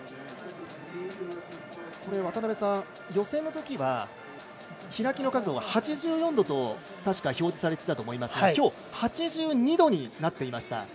渡辺さん、予選のときは角度が８４度と確か表示されていたと思いますが今日は８２度になっていました。